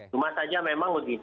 cuma saja memang begini